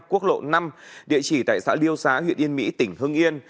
quốc lộ năm địa chỉ tại xã liêu xá huyện yên mỹ tỉnh hưng yên